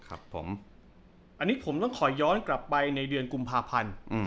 อันนี้ผมต้องขอย้อนกลับไปในเดือนกุมภาพันธ์